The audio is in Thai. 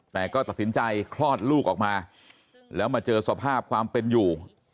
แต่ก็ตัดสินใจคลอดลูกออกมาแล้วมาเจอสภาพความเป็นอยู่